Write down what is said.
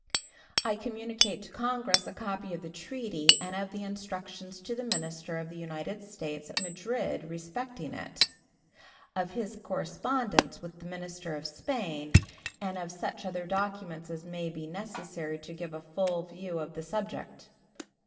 I communicate to Congress a copy of the treaty and of the instructions to the minister of the United States at Madrid respecting it; of his correspondence with the minister of Spain, and of such other documents as may be necessary to give a full view of the subject.